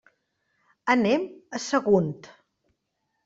Anem a Sagunt.